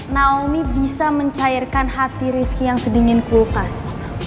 naomi bisa mencairkan hati rizky yang sedingin kulkas